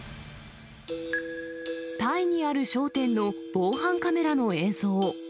タイにある商店の防犯カメラの映像。